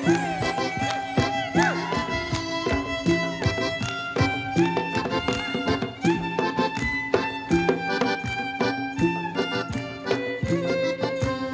แล้วก็กดเอาล่ายังไม่มีเพลิง